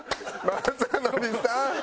雅紀さん！